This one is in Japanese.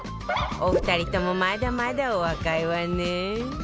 お二人ともまだまだお若いわね